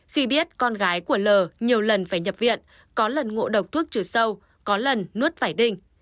khi biết con gái của l nhiều lần phải nhập viện có lần ngộ độc thuốc trừ sâu có lần nuốt phải đinh